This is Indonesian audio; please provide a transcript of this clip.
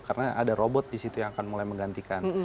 karena ada robot di situ yang akan mulai menggantikan